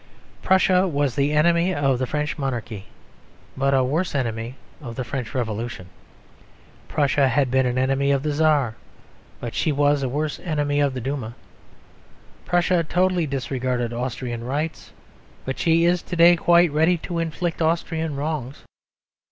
Prussia was the enemy of the French Monarchy; but a worse enemy of the French Revolution. Prussia had been an enemy of the Czar; but she was a worse enemy of the Duma. Prussia totally disregarded Austrian rights; but she is to day quite ready to inflict Austrian wrongs.